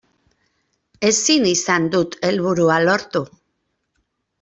Ezin izan dut helburua lortu.